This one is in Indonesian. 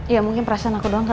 ya mungkin perasaan aku doang